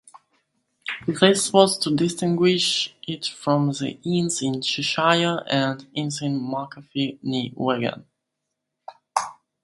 This was to distinguish it from the Ince in Cheshire and Ince-in-Makerfield near Wigan.